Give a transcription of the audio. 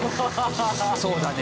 そうだね